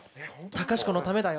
隆子のためだよ。